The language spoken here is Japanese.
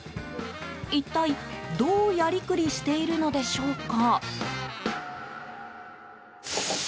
一体、どうやりくりしているのでしょうか。